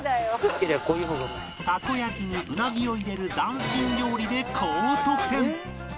たこ焼きにウナギを入れる斬新料理で高得点